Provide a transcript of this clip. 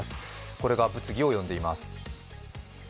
これが物議を呼んでいます。